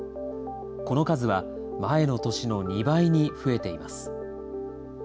この数は前の年の２倍に増えています。